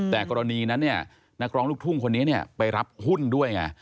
แต่กรณีนั้นเนี่ยนักร้องลูกทุ่งคนนี้ไปรับหุ้นด้วยไง